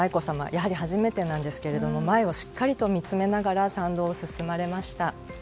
やはり初めてなんですけど前をしっかりと見つめながら参道を進まれました。